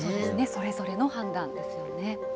それぞれの判断ですよね。